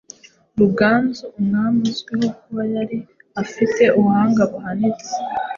Ruganzu, umwami uzwiho kuba yari afite ubuhanga buhanitse